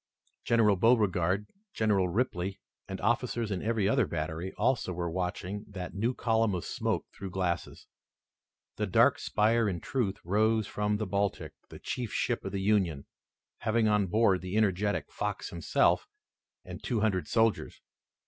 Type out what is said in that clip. General Beauregard, General Ripley, and officers in every other battery, also were watching that new column of smoke through glasses. The dark spire in truth rose from the Baltic, the chief ship of the Union, having on board the energetic Fox himself, and two hundred soldiers.